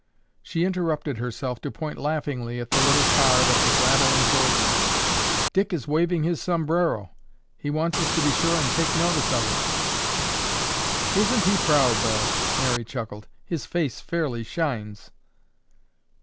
she interrupted herself to point laughingly at the little car that was rattling toward them. "Dick is waving his sombrero. He wants us to be sure and take notice of it!" "Isn't he proud though?" Mary chuckled. "His face fairly shines."